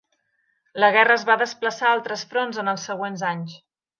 La guerra es va desplaçar a altres fronts en els següents anys.